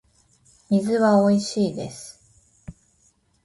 水はおいしいです